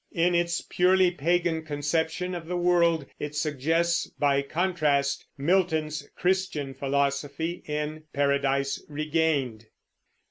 In its purely pagan conception of the world, it suggests, by contrast, Milton's Christian philosophy in Paradise Regained.